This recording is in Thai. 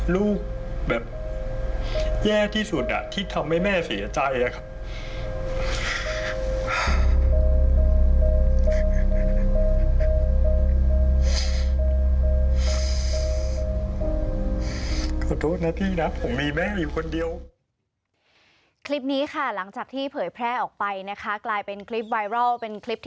ลูกแบบแย่ที่สุดที่ทำให้แม่เสียใจอะครับ